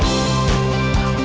aku bisa berkata kata